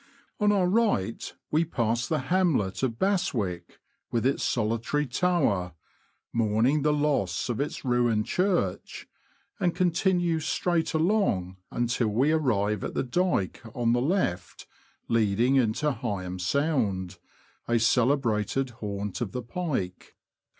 On our right we pass the hamlet of Bastwick, with its solitary tower, mourning the loss of its ruined church, and continue straight along until we arrive at the dyke, on the left, leading into Heigham Sound, a celebrated haunt of the pike.